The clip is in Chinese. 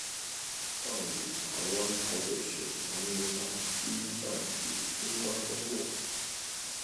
葬于台湾台北市阳明山第一将级军官公墓